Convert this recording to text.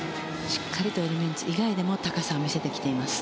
しっかりとエレメンツ以外でも高さを見せてきています。